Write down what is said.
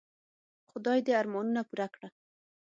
خدای دي ارمانونه پوره کړه .